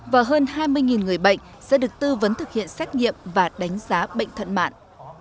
và hơn hai mươi người bệnh sẽ được tư vấn thực hiện xét nghiệm và đánh giá bệnh thận mạng